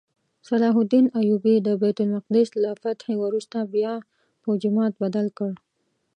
صلاح الدین ایوبي د بیت المقدس له فتحې وروسته بیا په جومات بدل کړ.